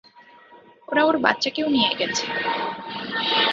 ওরা ওর বাচ্চাকেও নিয়ে গেছে।